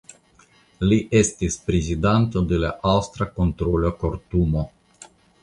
Li estis Prezidanto de la Aŭstra Kontrola Kortumo.